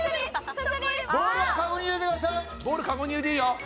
ボールカゴに入れていいよ。